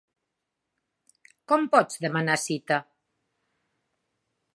Com pots demanar cita?